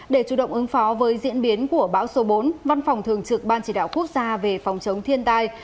để chủ động ứng phó với diễn biến của bão số bốn văn phòng thường trực ban chỉ đạo quốc gia về phòng chống thiên tai